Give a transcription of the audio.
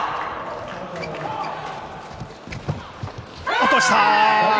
落とした！